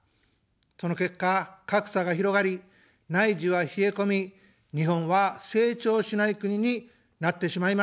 その結果、格差が広がり、内需は冷え込み、日本は「成長しない国」になってしまいました。